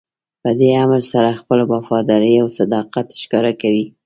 په دې امر سره خپله وفاداري او صداقت ښکاره کوئ.